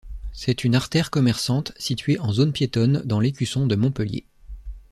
C'est une artère commerçante située en zone piétonne dans l'Écusson de Montpellier.